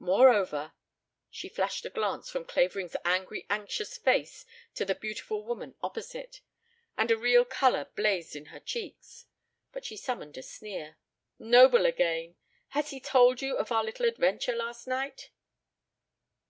Moreover She flashed a glance from Clavering's angry anxious face to the beautiful woman opposite, and a real color blazed in her cheeks. But she summoned a sneer. "Noble again! Has he told you of our little adventure last night?"